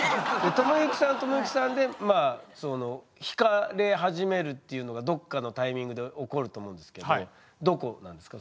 知之さんは知之さんでひかれ始めるっていうのがどっかのタイミングで起こると思うんですけどどこなんですか？